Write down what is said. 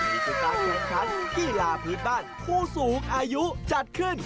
นี่คือการแข่งขันกีฬาพื้นบ้านผู้สูงอายุจัดขึ้น